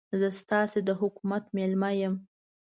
زه ستاسې د حکومت مېلمه یم.